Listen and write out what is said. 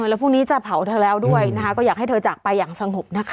แล้วพรุ่งนี้จะเผาเธอแล้วด้วยนะคะก็อยากให้เธอจากไปอย่างสงบนะคะ